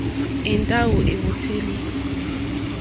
Èndáwò èwòtélì.